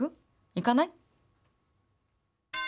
行かない？